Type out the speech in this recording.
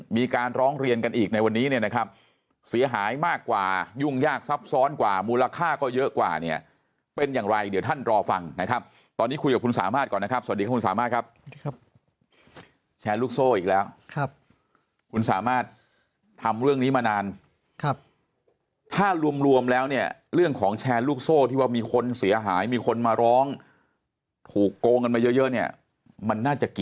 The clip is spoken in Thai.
มีการร้องเรียนกันอีกในวันนี้เนี่ยนะครับเสียหายมากกว่ายุ่งยากซับซ้อนกว่ามูลค่าก็เยอะกว่าเนี่ยเป็นอย่างไรเดี๋ยวท่านรอฟังนะครับตอนนี้คุยกับคุณสามารถก่อนนะครับสวัสดีคุณสามารถครับแชร์ลูกโซ่อีกแล้วครับคุณสามารถทำเรื่องนี้มานานครับถ้ารวมรวมแล้วเนี่ยเรื่องของแชร์ลูกโซ่ที่ว่ามีคนเสียหายมีคนมาร้องถูกโกงกันมาเยอะเนี่ยมันน่าจะก